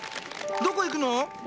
どこ行くの？